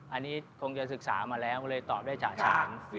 อันนี้คงจะศึกษามาแล้วก็เลยตอบได้จ่าฉาง